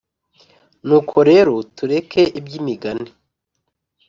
nuko rero tureke iby’imigani: